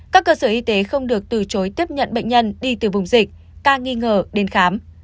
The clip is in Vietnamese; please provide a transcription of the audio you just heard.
các cơ sở y tế không được từ chối tiếp nhận bệnh nhân đi từ vùng dịch ca nghi ngờ đến khám